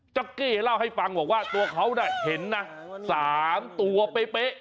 จ๊อกกี้เล่าให้ฟังว่าตัวเขาเห็นนะ๓ตัวเป๊ะ